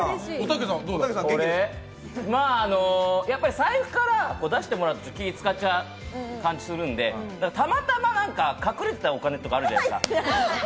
財布から出してもらうと、使っちゃう感じするので、たまたま隠れてたお金とかあるじゃないですか。